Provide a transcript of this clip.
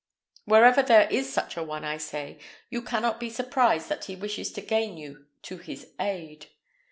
wherever there is such a one, I say, you cannot be surprised that he wishes to gain you to his aid."